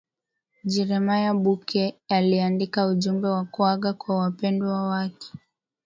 jeremiah burke aliandika ujumbe wa kuaga kwa wapendwa wake